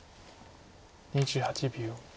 ２８秒。